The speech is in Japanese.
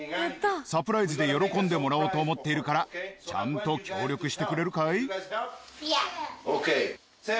サプライズで喜んでもらおうと思ってるから、ちゃんと協力してくれるかい？